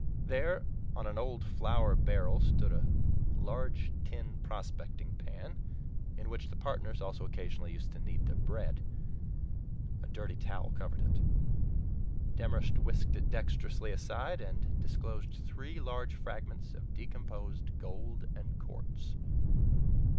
There, on an old flour barrel, stood a large tin prospecting pan, in which the partners also occasionally used to knead their bread. A dirty towel covered it. Demorest whisked it dexterously aside, and disclosed three large fragments of decomposed gold and quartz.